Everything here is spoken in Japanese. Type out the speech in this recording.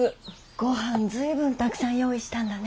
ごはん随分たくさん用意したんだね。